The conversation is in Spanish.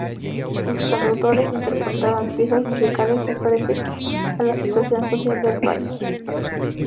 Los cantautores interpretaban piezas musicales referentes a la situación social del país.